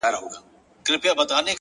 وخت د بې پروایۍ حساب اخلي’